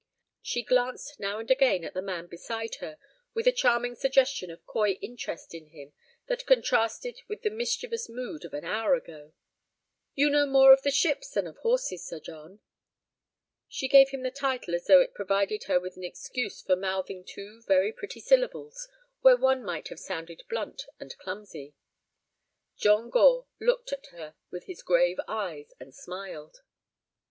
She glanced now and again at the man beside her with a charming suggestion of coy interest in him that contrasted with the mischievous mood of an hour ago. "You know more of ships than of horses, Sir John?" She gave him the title as though it provided her with an excuse for mouthing two very pretty syllables where one might have sounded blunt and clumsy. John Gore looked at her with his grave eyes and smiled.